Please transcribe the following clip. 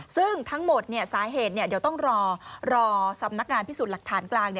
ซึ่งทั้งหมดสาเหตุเดี๋ยวต้องรอสำนักงานพิสูจน์หลักฐานกลาง